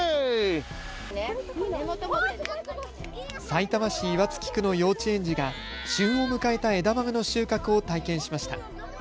さいたま市岩槻区の幼稚園児が旬を迎えた枝豆の収穫を体験しました。